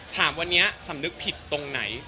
ถามวันนี้สำนึกผิดตรงไหน